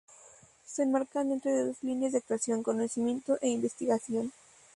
Se enmarcan dentro de dos líneas de actuación: conocimiento e investigación.